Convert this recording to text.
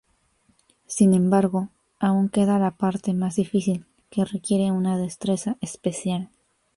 Sin embargo, aún queda la parte más difícil, que requiere una destreza especial.